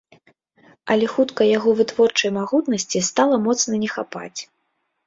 Але хутка яго вытворчай магутнасці стала моцна не хапаць.